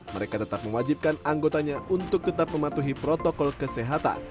mereka tetap mewajibkan anggotanya untuk tetap mematuhi protokol kesehatan